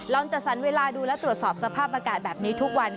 จัดสรรเวลาดูและตรวจสอบสภาพอากาศแบบนี้ทุกวัน